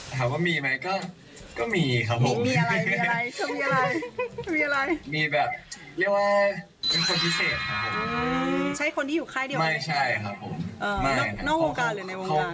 ถามว่ามีไหมก็ก็มีครับผมมีอะไรมีอะไรมีอะไรมีอะไรมีอะไรมีแบบเรียกว่าเป็นคนพิเศษครับผมใช่คนที่อยู่ไข้เดียวไม่ใช่ครับผมอ่านอกวงการหรือในวงการอ่ะ